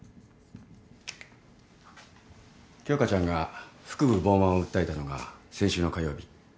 鏡花ちゃんが腹部膨満を訴えたのが先週の火曜日。